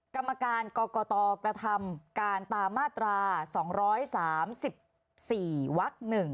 กรรมการกรกตกระทำการตามมาตรา๒๓๔วัก๑